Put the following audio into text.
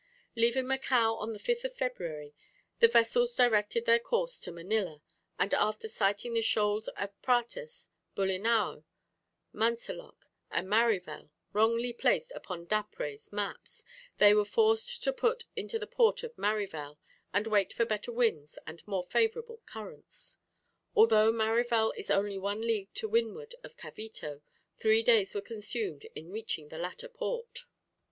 Leaving Macao on the 5th of February, the vessels directed their course to Manilla, and, after sighting the shoals of Pratas, Bulinao, Manseloq, and Marivelle, wrongly placed upon D'Après' maps, they were forced to put into the port of Marivelle, to wait for better winds and more favourable currents. Although Marivelle is only one league to windward of Cavito, three days were consumed in reaching the latter port.